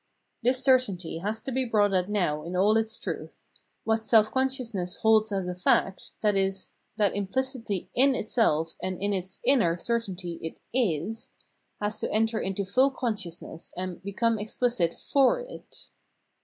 This certainty has to be brought out now in all its truth ; what self consciousness holds as a fact, viz. that im plicitly in itself and in its inner certainty it is, has to enter into full consciousness and become explicit for it.